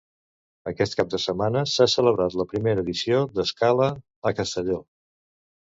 Aquest cap de setmana s'ha celebrat la primera edició d'Escala a Castelló.